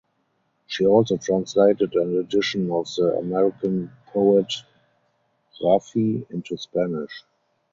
She also translated an edition of the Armenian poet Raffi into Spanish.